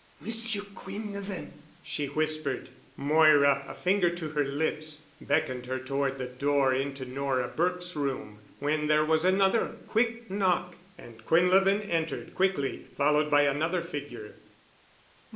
"Monsieur Quinlevin——!" she whispered. Moira, a finger to her lips, beckoned her toward the door into Nora Burke's room, when there was another quick knock and Quinlevin entered quickly, followed by another figure.